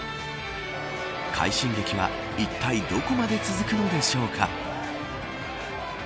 快進撃は、いったいどこまで続くのでしょうか。